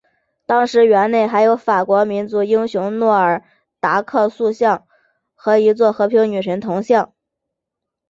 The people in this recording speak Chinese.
当时园内还有法国民族英雄诺尔达克塑像和一座和平女神铜像。